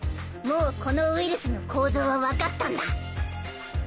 もうこのウイルスの構造は分かったんだ。